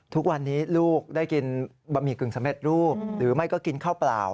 ทุกวันนี้ลูกได้กินบะหมี่กึ่งสำเร็จรูปหรือไม่ก็กินข้าวเปล่า